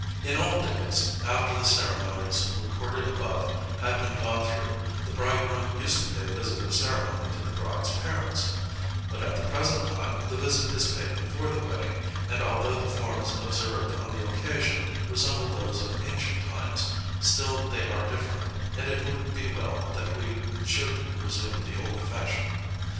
In old days, after the ceremonies recorded above had been gone through, the bridegroom used to pay a visit of ceremony to the bride's parents; but at the present time the visit is paid before the wedding, and although the forms observed on the occasion resemble those of the ancient times, still they are different, and it would be well that we should resume the old fashion.